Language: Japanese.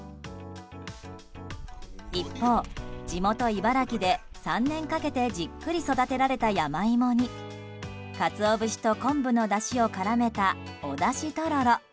一方、地元・茨城で３年かけてじっくり育てられた山芋にカツオ節と昆布のだしを絡めたお出汁とろろ。